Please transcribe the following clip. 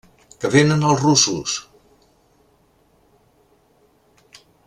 Que venen els russos!